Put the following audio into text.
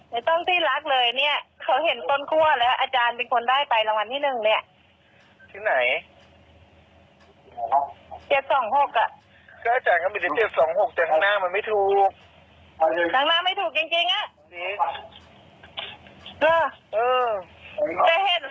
ไม่ต้องที่รักเลยเนี่ย